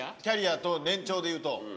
キャリアと年長でいうと。